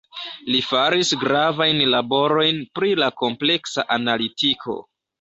Li faris gravajn laborojn pri la kompleksa analitiko.